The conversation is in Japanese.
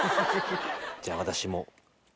じゃあ私も。